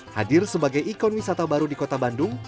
hadir sebagai ikon wisata baru di kota bandung